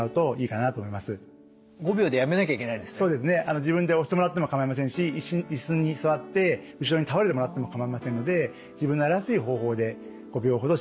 自分で押してもらっても構いませんしイスに座って後ろに倒れてもらっても構いませんので自分のやりやすい方法で５秒ほど刺激してみてください。